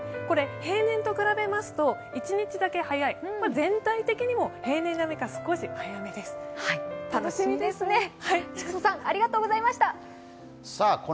これ平年と比べますと１日だけ早い全体的にも平年並みか少し早めです、楽しみですね。